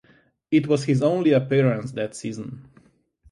It was his only appearance that season.